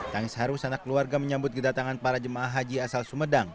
tangis haru sana keluarga menyambut kedatangan para jemaah haji asal sumedang